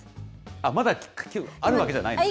あっ、まだあるわけじゃないんですね。